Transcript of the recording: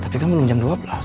tapi kan belum jam dua belas